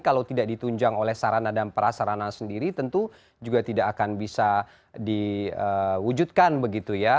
kalau tidak ditunjang oleh sarana dan prasarana sendiri tentu juga tidak akan bisa diwujudkan begitu ya